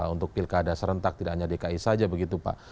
untuk pilkada serentak tidak hanya dki saja begitu pak